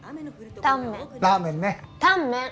タンメン。